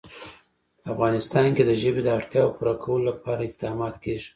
په افغانستان کې د ژبې د اړتیاوو پوره کولو لپاره اقدامات کېږي.